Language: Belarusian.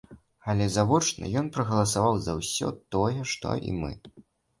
Але завочна ён прагаласаваў за ўсё тое, што і мы.